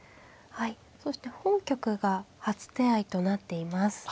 はいそして本局が初手合いとなっています。